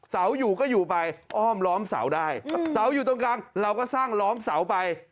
เสาอยู่ก็อยู่ไปอ้อมล้อมเสาได้เสาอยู่ตรงกลางเราก็สร้างล้อมเสาไป